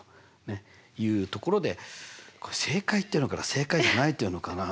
ねっいうところでこれ正解っていうのかな正解じゃないっていうのかな。